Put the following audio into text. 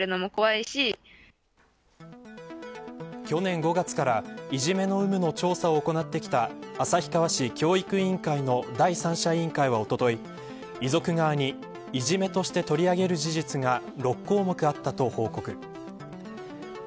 去年５月から、いじめの有無の調査を行ってきた旭川市教育委員会の第三者委員会はおととい遺族側にいじめとして取り上げる事実が６項目あったと報告。